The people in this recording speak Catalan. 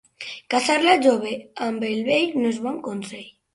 Casar la jove amb el vell no és bon consell.